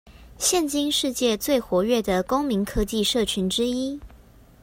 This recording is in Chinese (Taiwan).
現今世界最活躍的公民科技社群之一